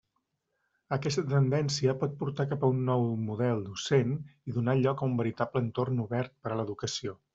Aquesta tendència pot portar cap a un nou model docent, i donar lloc a un veritable entorn obert per a l'educació.